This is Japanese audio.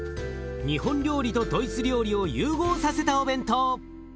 日本料理とドイツ料理を融合させたお弁当。